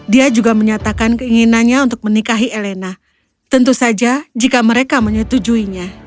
dia juga menyatakan keinginannya untuk menikahi elena tentu saja jika mereka menyetujuinya